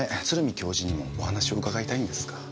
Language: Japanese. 教授にもお話を伺いたいんですが。